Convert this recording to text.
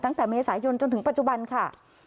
ตั้งแต่เมษายนจนถึงปัจจุบันค่ะ